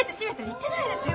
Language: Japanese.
言ってないですよ！